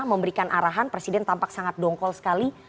memberikan arahan presiden tampak sangat dongkol sekali